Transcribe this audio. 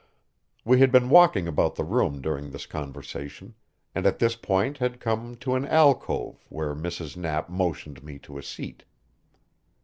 We had been walking about the room during this conversation, and at this point had come to an alcove where Mrs. Knapp motioned me to a seat.